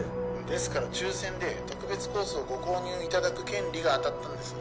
☎ですから抽選で特別コースを☎ご購入いただく権利が当たったんです